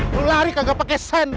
lu lari kagak pake sen